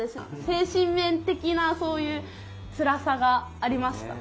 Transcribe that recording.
精神面的なそういうつらさがありました。